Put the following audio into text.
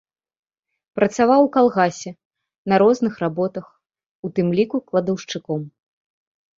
Працаваў у калгасе на розных работах, у тым ліку кладаўшчыком.